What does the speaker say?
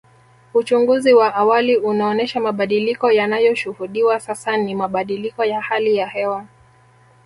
Uchunguzi wa awali unaonesha mabadiliko yanayoshuhudiwa sasa ni mabadiliko ya hali ya hewa